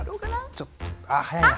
ちょっとあ早いな。